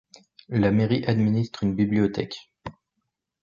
La mairie administre une bibliothèque.